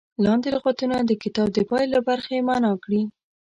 لاندې لغتونه د کتاب د پای له برخې معنا کړي.